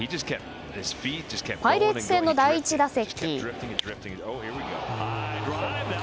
パイレーツ戦の第１打席。